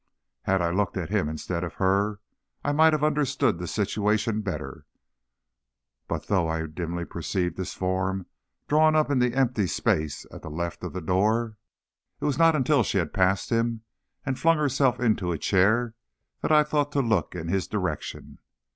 Had I looked at him instead of at her, I might have understood the situation better. But, though I dimly perceived his form drawn up in the empty space at the left of the door, it was not until she had passed him and flung herself into a chair, that I thought to look in his direction.